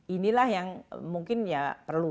inilah yang mungkin perlu